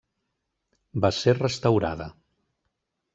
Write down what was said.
Va ser restaurada.